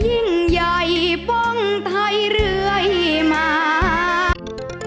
ยิ่งใหญ่ป้องไทยเรื่อยมา